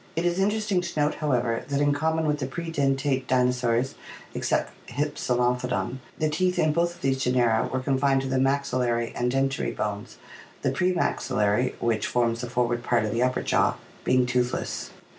It is interesting to note, however, that in common with the predentate dinosaurs (except Hypsilophodon) the teeth in both of these genera were confined to the maxillary and dentary bones, the pre maxillary, which forms the forward part of the upper jaw, being toothless.